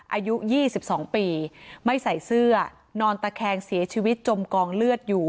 อายุ๒๒ปีไม่ใส่เสื้อนอนตะแคงเสียชีวิตจมกองเลือดอยู่